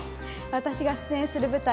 私が出演する舞台